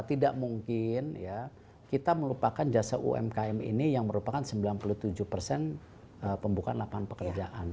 tidak mungkin ya kita melupakan jasa umkm ini yang merupakan sembilan puluh tujuh persen pembukaan lapangan pekerjaan